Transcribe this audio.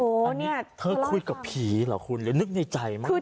อันนี้เธอคุยกับผีเหรอรับคุณนึกในใจที่แตก